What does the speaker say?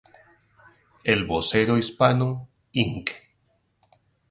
El Vocero Hispano, Inc.